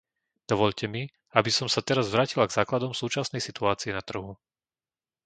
Dovoľte mi, aby som sa teraz vrátila k základom súčasnej situácie na trhu.